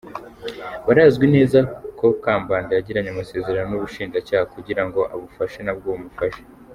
Birazwi neza ko Kambanda yagiranye amasezerano n’ubushinja cyaha kugirango abufashe nabwo bumufashe.